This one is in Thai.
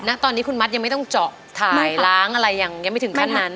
ณตอนนี้คุณมัดยังไม่ต้องเจาะถ่ายล้างอะไรยังไม่ถึงขั้นนั้น